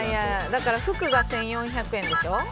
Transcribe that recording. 服が１４００円でしょ。